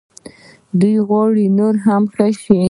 دوی غواړي نور هم ښه شي.